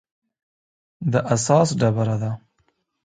د اساس ډبره ده.